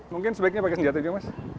mungkin sebaiknya pakai senjata juga mas